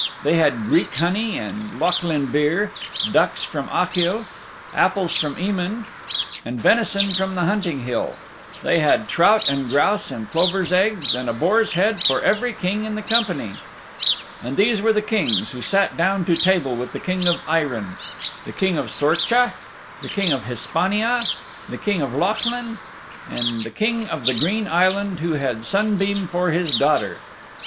They had Greek honey and Lochlinn beer; ducks from Achill, apples from Emain and venison from the Hunting Hill; they had trout and grouse and plovers' eggs and a boar's head for every King in the company. And these were the Kings who sat down to table with the King of Eirinn: the King of Sorcha, the King of Hispania, the King of Lochlinn and the King of the Green Island who had Sunbeam for his daughter.